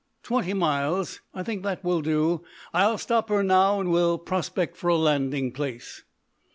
Twenty miles! I think that will do. I'll stop her now and we'll prospect for a landing place."